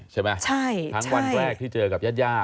ใช่ไหมใช่